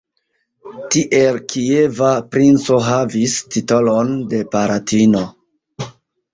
Tiel, kieva princo havis titolon de "palatino".